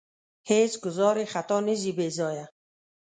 هېڅ ګوزار یې خطا نه ځي بې ځایه.